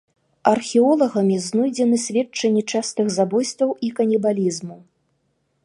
Археолагамі знойдзены сведчанні частых забойстваў і канібалізму.